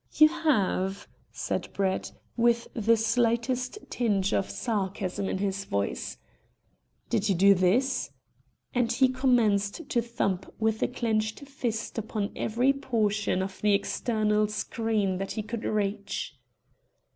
"You have?" said Brett, with the slightest tinge of sarcasm in his voice. "Did you do this?" and he commenced to thump with a clenched fist upon every portion of the external screen that he could reach.